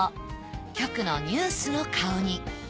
局のニュースの顔に。